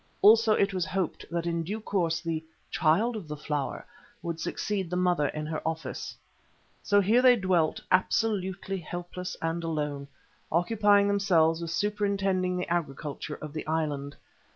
Also it was hoped that in due course the "Child of the Flower" would succeed the Mother in her office. So here they dwelt absolutely helpless and alone, occupying themselves with superintending the agriculture of the island.